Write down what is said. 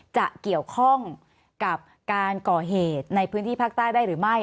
จะเกี่ยวข้องกับการก่อเหตุในพื้นที่ภาคใต้ได้หรือไม่